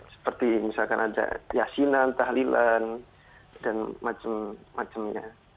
seperti misalkan ada yasinan tahlilan dan macam macamnya